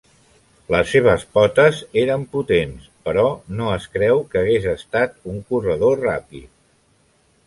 Les seves potes eren potents, però no es creu que hagués estat un corredor ràpid.